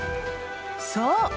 そう！